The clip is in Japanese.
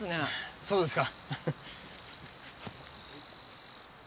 そうですか？